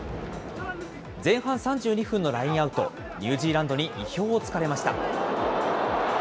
前半３２分のラインアウト、ニュージーランドに意表をつかれました。